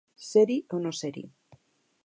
Ser-hi o no ser-hi.